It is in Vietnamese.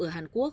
ở hàn quốc